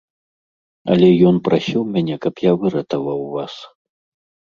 Але ён прасіў мяне, каб я выратаваў вас.